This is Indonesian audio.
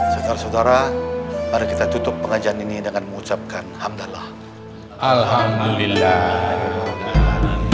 saudara saudara mari kita tutup pengajian ini dengan mengucapkan alhamdulillah